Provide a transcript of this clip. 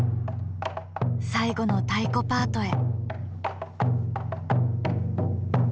最後の太鼓パートへ。